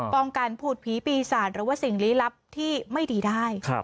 ป้องกันผูดผีปีศาจหรือว่าสิ่งลี้ลับที่ไม่ดีได้